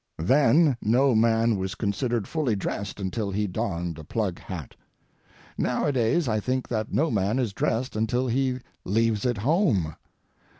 Then no man was considered fully dressed until he donned a plug hat. Nowadays I think that no man is dressed until he leaves it home.